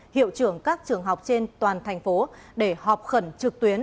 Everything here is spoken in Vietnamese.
hiệu trưởng các trường học trên toàn thành phố để họp khẩn trực tuyến